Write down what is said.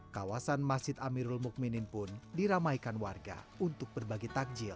kawasan masjid amirul mukminin pun diramaikan warga untuk berbagi takjil